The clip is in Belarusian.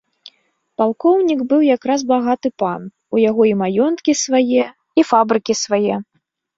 Палкоўнік быў якраз багаты пан, у яго і маёнткі свае, і фабрыкі свае.